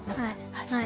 はい。